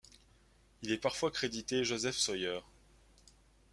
Il est parfois crédité Joseph Sawyer.